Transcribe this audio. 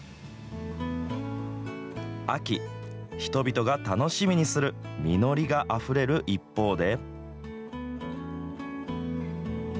秋、人々が楽しみにする実りがあふれる一方で。